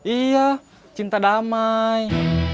iya cinta damai